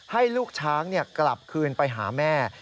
ให้ลูกช้างกลับคืนไปหาแม่